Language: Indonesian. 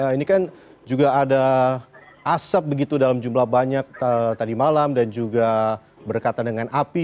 ini kan juga ada asap begitu dalam jumlah banyak tadi malam dan juga berkatan dengan api